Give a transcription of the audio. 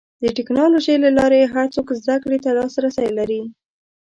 د ټکنالوجۍ له لارې هر څوک زدهکړې ته لاسرسی لري.